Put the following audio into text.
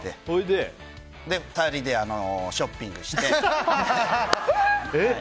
２人でショッピングして。